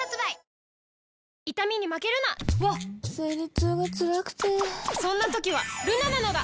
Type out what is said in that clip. わっ生理痛がつらくてそんな時はルナなのだ！